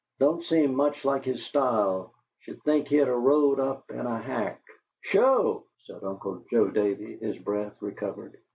Don't seem much like his style. Should think he'd of rode up in a hack." "Sho!" said Uncle Joe Davey, his breath recovered.